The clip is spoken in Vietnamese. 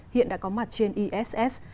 hiện đã có mặt trên iss